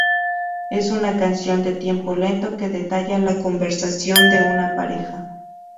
Es una canción de tiempo lento, que detalla le conversación de una pareja.